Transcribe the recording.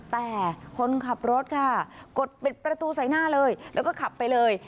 แต่คนขับรถค่ะกดปิดประตูใส่หน้าเลยแล้วก็ขับไปเลย